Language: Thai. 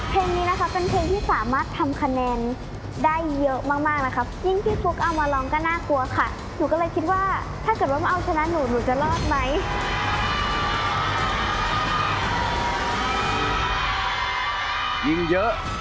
เพลงนี้นะครับเป็นเพลงที่สามารถทำคะแนนได้เยอะมากนะครับ